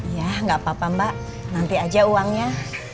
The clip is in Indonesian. iya gak apa apa mbak nanti aja uangnya